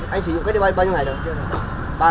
anh sử dụng cái này bao nhiêu ngày rồi